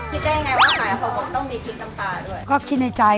คิดได้ไงว่าขายของผมต้องมีขิ้นน้ำปลาผมด้วย